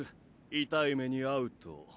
痛い目に遭うと。